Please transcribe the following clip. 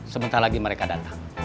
sebentar lagi mereka datang